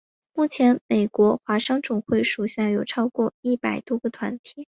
目前美国华商总会属下有超过一百多个团体。